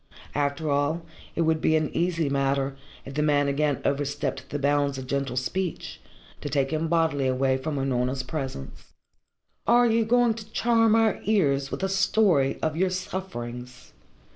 After all, it would be an easy matter, if the man again overstepped the bounds of gentle speech, to take him bodily away from Unorna's presence. "And are you going to charm our ears with a story of your sufferings?"